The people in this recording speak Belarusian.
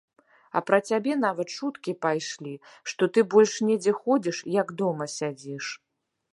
А пра цябе нават чуткі пайшлі, што ты больш недзе ходзіш, як дома сядзіш.